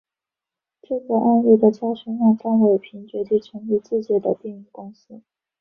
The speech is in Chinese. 这个案例的教训让张伟平决定成立自己的电影公司。